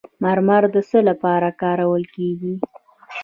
مرمر د څه لپاره کارول کیږي؟